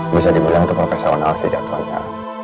bisa dibilang itu profesiwan al sih jatuhnya